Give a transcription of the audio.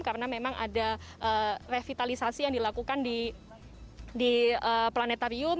karena memang ada revitalisasi yang dilakukan di planetarium